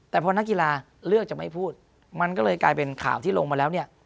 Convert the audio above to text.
แต่พอนักกีฬาเลือกจะไม่พูดมันก็เลยกลายเป็นข่าวที่ลงมาแล้วเนี่ย